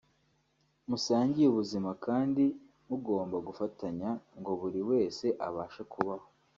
musangiye ubuzima kandi mugomba gufatanya ngo buri wese abashe kubaho